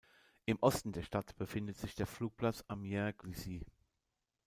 Im Osten der Stadt befindet sich der Flugplatz Amiens-Glisy.